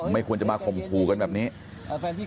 ไม่ควรจะมาข่มขู่กันแบบนี้